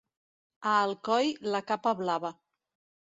A Alcoi, la capa blava.